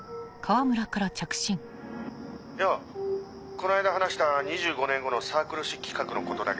この間話した２５年後のサークル誌企画のことだけどさ。